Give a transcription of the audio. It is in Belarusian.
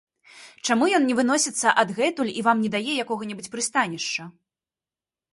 Чаму ён не выносіцца адгэтуль і вам не дае якога-небудзь прыстанішча?